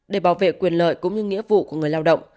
để bảo vệ quyền lợi cũng như nghĩa vụ của người lao động